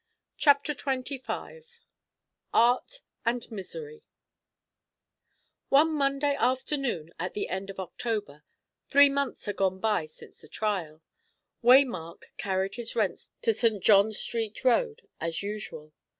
CHAPTER XXV ART AND MISERY One Monday afternoon at the end of October three months had gone by since the trial Waymark carried his rents to St. John Street Road as usual.